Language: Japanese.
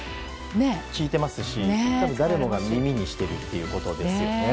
聞いてますし、誰もが耳にしてるということですよね。